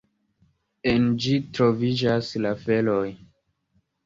En ĝi troviĝas la Ferooj.